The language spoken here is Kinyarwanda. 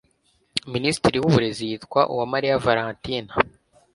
Minisitiri w'Uburezi yitwa uwamariya Valentine